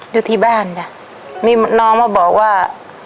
อยู่ที่บ้านจ้ะมีน้องมาบอกว่า